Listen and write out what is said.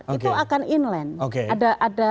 itu akan inland